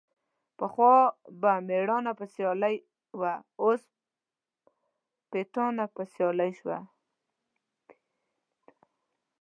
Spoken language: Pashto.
پخوا به ميړانه په سيالي وه ، اوس سپيتانه په سيالي سوه.